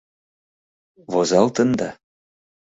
Возалтында?